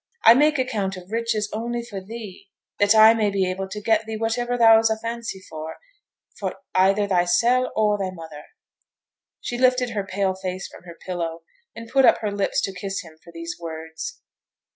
I make account of riches only for thee; that I may be able to get thee whativer thou's a fancy for, for either thysel', or thy mother.' She lifted her pale face from her pillow, and put up her lips to kiss him for these words.